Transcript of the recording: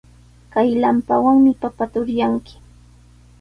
Kay lampawanmi papata uryanki.